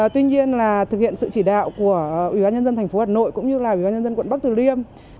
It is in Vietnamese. tuy nhiên là thực hiện sự chỉ đạo của ủy ban nhân dân thành phố hà nội cũng như là ủy ban nhân dân quận bắc từ liêm